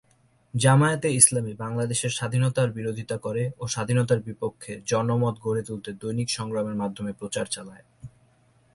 জামায়াতে ইসলামী বাংলাদেশের স্বাধীনতার বিরোধীতা করে ও স্বাধীনতার বিপক্ষে জনমত গড়ে তুলতে দৈনিক সংগ্রামের মাধ্যমে প্রচার চালায়।